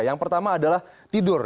yang pertama adalah tidur